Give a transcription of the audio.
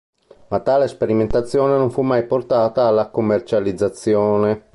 Ma tale sperimentazione non fu mai portata alla commercializzazione.